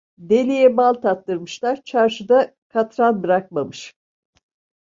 Deliye bal tattırmışlar, çarşıda katran bırakmamış.